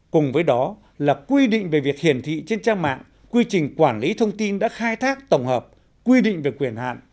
cùng với đó là quy định về việc hiển thị trên trang mạng quy trình quản lý thông tin đã khai thác tổng hợp quy định về quyền hạn